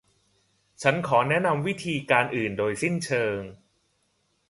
ฉันขอแนะนำวิธีการอื่นโดยสิ้นเชิง